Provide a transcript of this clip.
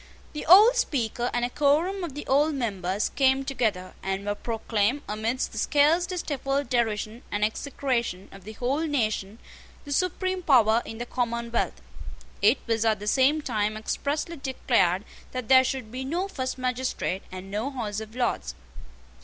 The old Speaker and a quorum of the old members came together, and were proclaimed, amidst the scarcely stifled derision and execration of the whole nation, the supreme power in the commonwealth. It was at the same time expressly declared that there should be no first magistrate, and no House of Lords.